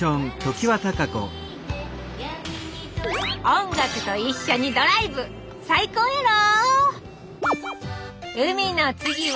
音楽と一緒にドライブ最高やろ！